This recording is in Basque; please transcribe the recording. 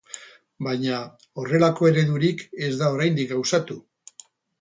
Baina, horrelako eredurik ez da oraindik gauzatu.